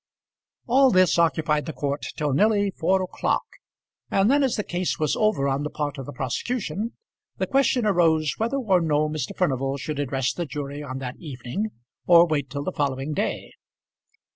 All this occupied the court till nearly four o'clock, and then as the case was over on the part of the prosecution, the question arose whether or no Mr. Furnival should address the jury on that evening, or wait till the following day.